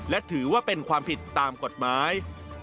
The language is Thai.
และถือว่าเป็นความผิดตามกฎหมาย